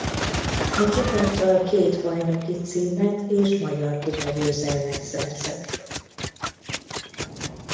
A csapattal két bajnoki címet és magyar kupa-győzelmet szerzett.